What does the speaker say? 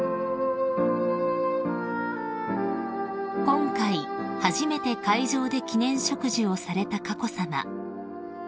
［今回初めて会場で記念植樹をされた佳子さま］